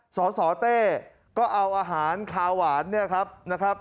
สวตแต้ก็เอาอาหารคาวานเนี่ยครับ